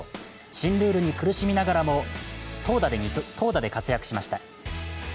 新ルールに苦しみながらも投打で活躍しました。